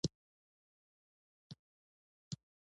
لاسونه د وجود برخه ده